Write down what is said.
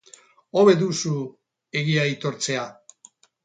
Hobe duzu egia aitortzea.